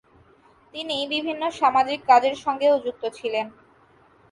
তিনি বিভিন্ন সামাজিক কাজের সঙ্গেও যুক্ত ছিলেন।